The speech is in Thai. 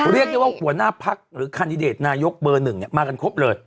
เรียกได้ว่าหัวหน้าพักหรือคันดิเดตนายกเบอร์หนึ่งมากันครบเลย